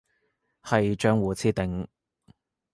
係賬戶設定